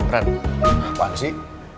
ren apaan sih